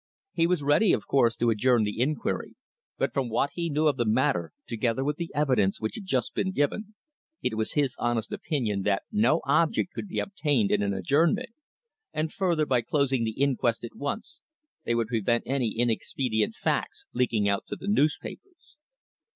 He was ready, of course, to adjourn the inquiry, but from what he knew of the matter, together with the evidence which had just been given, it was his honest opinion that no object could be obtained in an adjournment, and further by closing the inquest at once they would prevent any inexpedient facts leaking out to the newspapers.